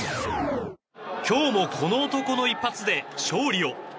今日もこの男の一発で勝利を。